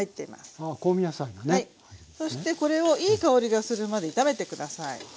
そしてこれをいい香りがするまで炒めて下さい。